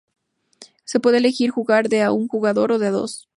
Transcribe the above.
Se puede elegir jugar de a un jugador o de a dos.